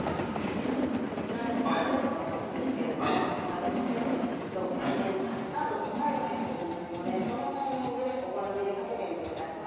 こちらのカラメルソースですけれども食べ進めていくとカスタードとパイが入っておりますのでお好みでかけてみてください。